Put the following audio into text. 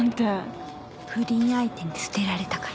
不倫相手に捨てられたから。